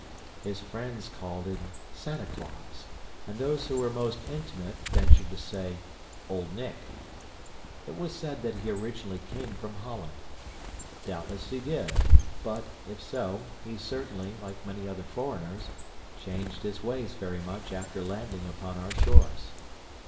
His friends called his Santa Claus, and those who were most intimate ventured to say "Old Nick." It was said that he originally came from Holland. Doubtless he did, but, if so, he certainly, like many other foreigners, changed his ways very much after landing upon our shores.